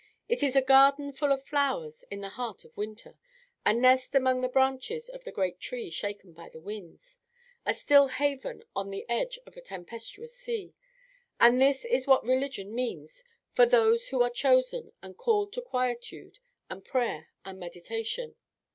It is a garden full of flowers in the heart of winter; a nest among the branches of a great tree shaken by the winds; a still haven on the edge of a tempestuous sea. And this is what religion means for those who are chosen and called to quietude and prayer and meditation.